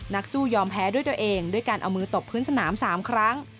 นักสู้ยอมแพ้ด้วยตัวเองด้วยการเอามือตบพื้นสนาม๓ครั้ง